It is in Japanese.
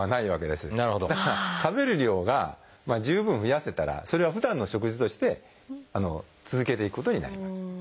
だから食べる量が十分増やせたらそれはふだんの食事として続けていくことになります。